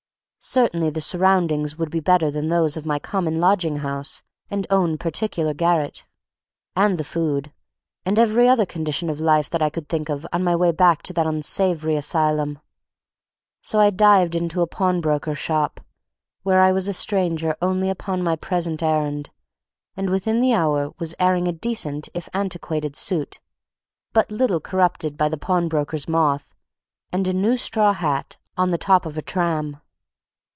Certainly the surroundings would be better than those of my common lodging house and own particular garret; and the food; and every other condition of life that I could think of on my way back to that unsavory asylum. So I dived into a pawnbroker's shop, where I was a stranger only upon my present errand, and within the hour was airing a decent if antiquated suit, but little corrupted by the pawnbroker's moth, and a new straw hat, on the top of a tram.